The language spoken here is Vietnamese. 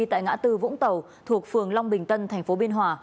tại ngã tư vũng tàu thuộc phường long bình tân tp biên hòa